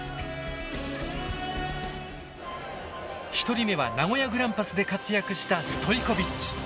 １人目は名古屋グランパスで活躍したストイコビッチ。